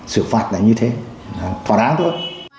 xử phạt lại như thế là thỏa án thôi